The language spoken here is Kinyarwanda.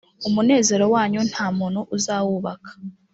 umunezero wanyu nta muntu uzawubaka